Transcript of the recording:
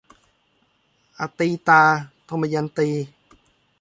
อตีตา - ทมยันตี